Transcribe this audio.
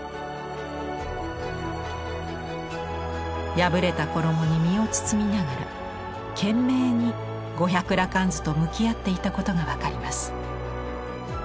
破れた衣に身を包みながら懸命に「五百羅漢図」と向き合っていたことが分かります。